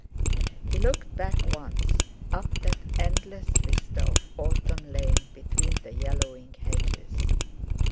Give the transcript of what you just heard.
He looked back once, up that endless vista of autumn lane between the yellowing hedges.